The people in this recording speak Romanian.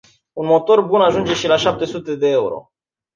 Un motor bun ajunge și la șapte sute de euro.